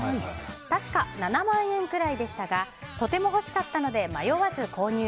確か、７万円くらいでしたがとても欲しかったので迷わず購入。